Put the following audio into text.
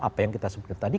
apa yang kita sebutkan tadi